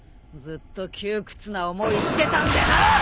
ずっと窮屈な思いしてたんでな！